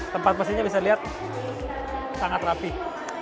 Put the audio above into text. tempat mesinnya bisa dilihat sangat rapih